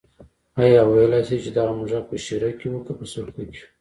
آیا ویلای شې چې دغه موږک په شېره کې و که په سرکه کې.